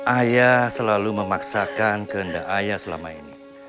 ayah selalu memaksakan kehendak ayah selama ini